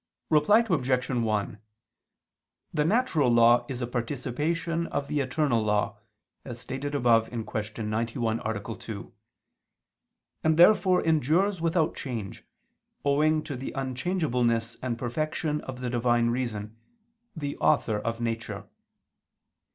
Reply Obj. 1: The natural law is a participation of the eternal law, as stated above (Q. 91, A. 2), and therefore endures without change, owing to the unchangeableness and perfection of the Divine Reason, the Author of nature.